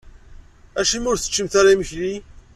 Acimi ur teččim ara imekli?